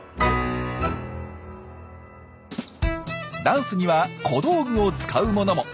ダンスには小道具を使うものも。